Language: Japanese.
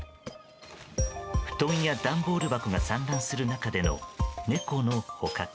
布団や段ボール箱が散乱する中での、猫の捕獲。